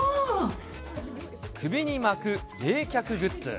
首に巻く冷却グッズ。